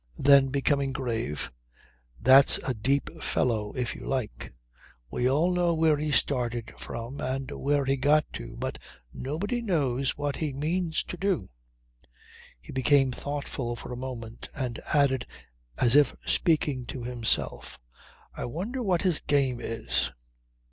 Then becoming grave: "That's a deep fellow, if you like. We all know where he started from and where he got to; but nobody knows what he means to do." He became thoughtful for a moment and added as if speaking to himself, "I wonder what his game is."